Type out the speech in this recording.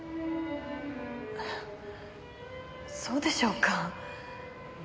そうでしょうか。